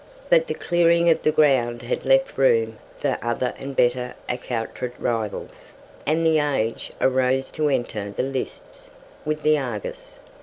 But the clearing of the ground had left room for other and better accoutred rivals, and "The Age" arose to enter the lists with "The Argus".